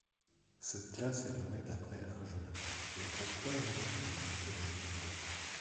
Cette classe est nommée d'après Arjuna, héros proéminent de la mythologie hindoue.